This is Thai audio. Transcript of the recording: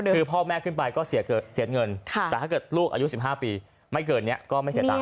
คือพ่อแม่ขึ้นไปก็เสียเงินแต่ถ้าเกิดลูกอายุ๑๕ปีไม่เกินนี้ก็ไม่เสียตังค์